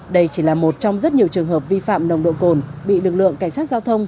đây chỉ là một trong rất nhiều trường hợp vi phạm nồng độ cồn bị lực lượng cảnh sát giao thông